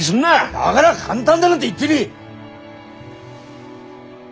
だがら簡単だなんて言ってねえ！